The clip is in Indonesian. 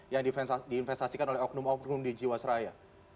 yang diinvestasikan oleh oknum oknum di jiwas raya